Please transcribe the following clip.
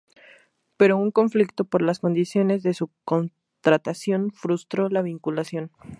Pero un conflicto por las condiciones de su contratación frustró la vinculación.